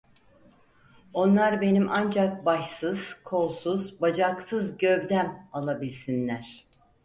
Onlar benim ancak başsız, kolsuz, bacaksız gövdem, alabilsinler…